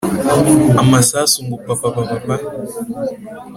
amasasu ngo papapapa